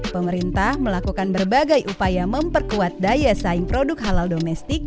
pemerintah melakukan berbagai upaya memperkuat daya saing produk halal domestik